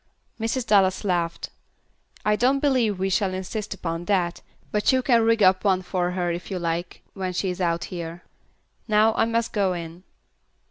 Mrs. Dallas laughed. "I don't believe we will insist upon that, but you can rig up one for her if you like, when she is out here. Now I must go in."